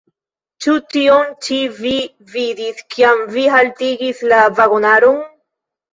Ĉu tion ĉi vi vidis, kiam vi haltigis la vagonaron?